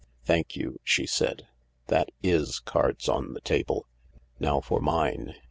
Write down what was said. "Thank you," she said. "That is cards on the table. Now for mine.